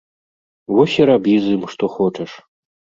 Вось і рабі з ім, што хочаш!